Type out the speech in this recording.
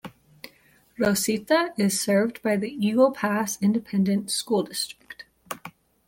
Rosita is served by the Eagle Pass Independent School District.